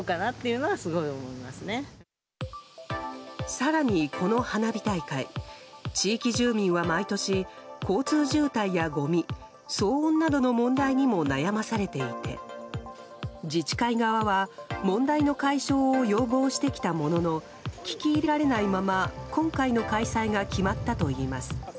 更に、この花火大会地域住民は毎年交通渋滞やごみ騒音などの問題にも悩まされていて自治会側は問題の解消を要望してきたものの聞き入れられないまま今回の開催が決まったといいます。